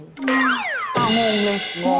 งงเลย